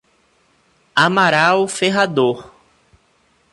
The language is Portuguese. Amaral Ferrador